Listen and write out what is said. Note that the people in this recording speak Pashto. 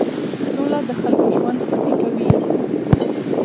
سوله د خلکو ژوند خوندي کوي.